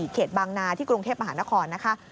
เขตบางนาที่กรุงเทพมหานครนะคะ